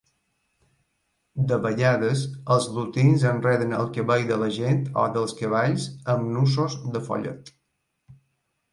De vegades, els lutins enreden el cabell de la gent o dels cavalls amb nussos de follet.